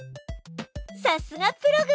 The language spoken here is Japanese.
さすがプログ！